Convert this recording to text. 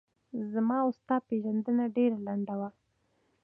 زما و ستا پیژندنه ډېره لڼده وه